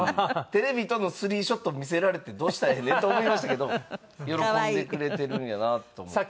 テレビとのスリーショット見せられてどうしたらええねん！って思いましたけど喜んでくれてるんやなと思って。